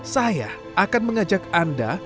saya akan mengajak anda